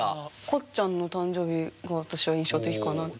こっちゃんの誕生日が私は印象的かな。